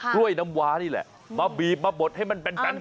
กล้วยน้ำวานี่แหละมาบีบมาบดให้มันเป็น